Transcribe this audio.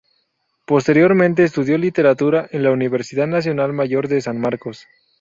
Posteriormente estudió Literatura en la Universidad Nacional Mayor de San Marcos.